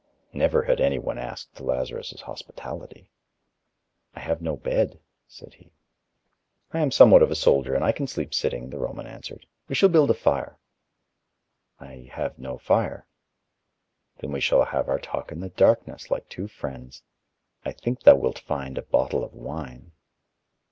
Never had anyone asked Lazarus' hospitality. "I have no bed," said he. "I am somewhat of a soldier and I can sleep sitting," the Roman answered. "We shall build a fire." "I have no fire." "Then we shall have our talk in the darkness, like two friends. I think thou wilt find a bottle of wine."